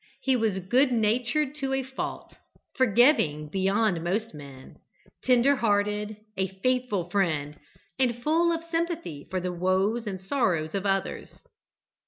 He was good natured to a fault forgiving beyond most men tender hearted a faithful friend and full of sympathy for the woes and sorrows of others.